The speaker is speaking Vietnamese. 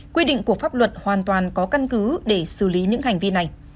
quy định của pháp luật hoàn toàn có căn cứ để xử lý những hành vi này